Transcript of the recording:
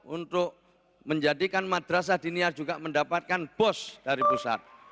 untuk menjadikan madrasah dinia juga mendapatkan bos dari pusat